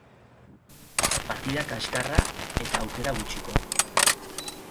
Partida kaskarra eta aukera gutxikoa.